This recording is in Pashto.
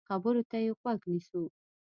خبرو ته يې غوږ نیسو.